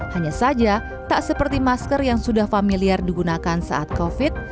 hanya saja tak seperti masker yang sudah familiar digunakan saat covid